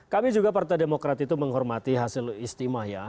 kami juga partai demokrat itu menghormati hasil istimah ya